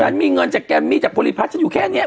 มีเงินจากแกมมี่จากบริพัฒน์ฉันอยู่แค่นี้